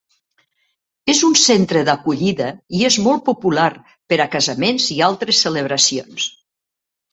És un centre d'acollida i és molt popular per a casaments i altres celebracions.